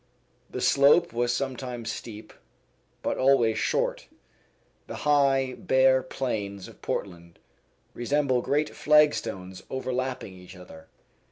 The slope was sometimes steep, but always short; the high, bare plains of Portland resemble great flagstones overlapping each other.